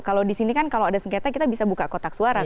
kalau di sini kan kalau ada sengketa kita bisa buka kotak suara